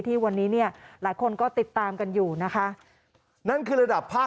ที่วันนี้หลายคนก็ติดตามกันอยู่นะคะ